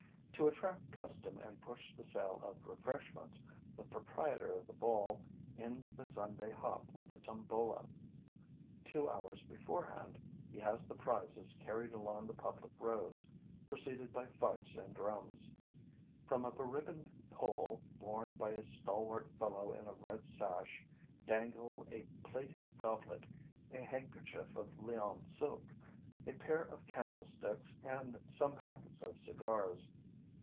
To attract custom and push the sale of refreshments, the proprietor of the ball ends the Sunday hop with a tombola. Two hours beforehand, he has the prizes carried along the public roads, preceded by fifes and drums. From a beribboned pole, borne by a stalwart fellow in a red sash, dangle a plated goblet, a handkerchief of Lyons silk, a pair of candlesticks and some packets of cigars.